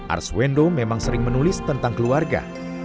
arswendo memang sering menulis tentang keluarga